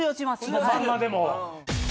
このまんまでも。